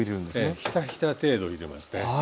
ええひたひた程度入れますね。